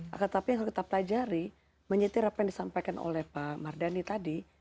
akan tetapi kalau kita pelajari menyetir apa yang disampaikan oleh mbak mardani tadi